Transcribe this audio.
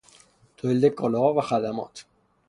تولید کالاها و خدمات